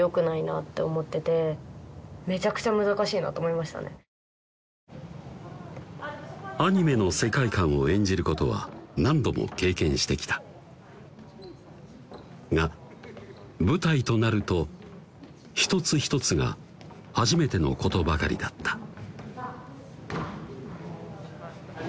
役としてアニメの世界観を演じることは何度も経験してきたが舞台となると一つ一つが初めてのことばかりだった